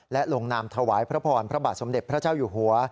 และลงนามถวายพระพรพระบาทสมเด็จพระเจ้าอยู่หัว